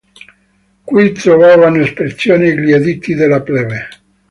Qui trovavano espressione gli editti della plebe.